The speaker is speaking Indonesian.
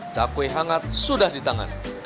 cakwe hangat sudah di tangan